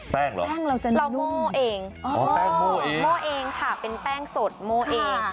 แป้งเราจะนุ่มโอ้แป้งโม่เองค่ะเป็นแป้งสดโม่เอง